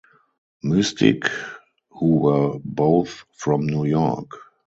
Mystique, who were both from New York.